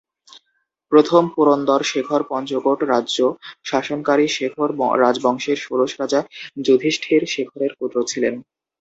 প্রথম পুরন্দর শেখর পঞ্চকোট রাজ্য শাসনকারী শেখর রাজবংশের ষোড়শ রাজা যুধিষ্ঠির শেখরের পুত্র ছিলেন।